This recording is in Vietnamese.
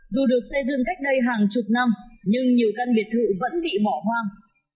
dù được xây dựng cách đây hàng chục năm nhưng nhiều căn biệt thự vẫn bị bỏ hoang